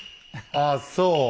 ああそう。